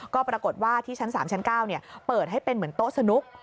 ก็ปรากฏว่าที่ชั้น๓ชั้น๙เปิดให้เป็นเหมือนโต๊ะสนุก